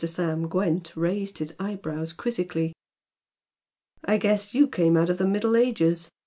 Sam Gwent raised his eyebrows quizzically. "I guess you came out of the Middle Ages!"